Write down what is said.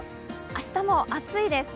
明日も暑いです。